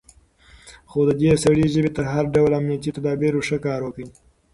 خو د دې سړي ژبې تر هر ډول امنيتي تدابيرو ښه کار وکړ.